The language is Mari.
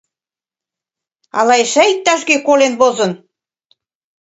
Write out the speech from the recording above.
Ала эше иктаж-кӧ колен возын?..